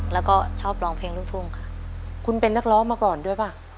แล้วก็ชอบร้องเพลงลูกทุ่งค่ะคุณเป็นนักร้องมาก่อนด้วยป่ะ